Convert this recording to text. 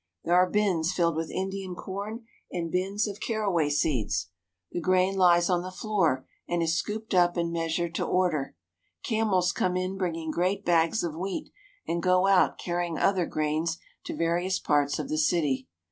There are bins filled with Indian corn and bins of caraway seeds. The grain lies on the floor and is scooped up and measured to order. Camels come in bringing great bags of wheat and go out carrying other grains to various parts of the city.